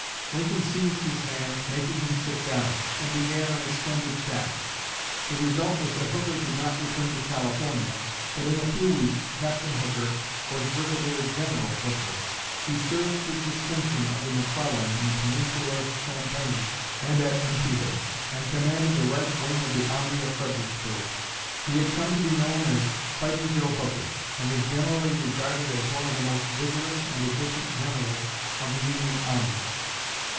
Lincoln seized his hand, making him sit down, and began an extended chat. The result was that Hooker did not return to California, but in a few weeks Captain Hooker was Brigadier General Hooker. He served with distinction under McClellan in the Peninsular campaign and at Antietam, and commanded the right wing of the army at Fredericksburg. He had come to be known as "Fighting Joe Hooker," and was generally regarded as one of the most vigorous and efficient Generals of the Union army.